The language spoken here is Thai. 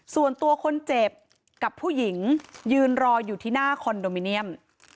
ส่วนตัวคนเจ็บกับผู้หญิงยืนรออยู่ที่หน้าคอนโดมิเนียม